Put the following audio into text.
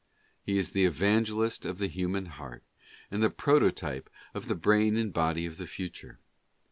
He is the evangelist of the human heart, and the prototype of the brain and body of the future.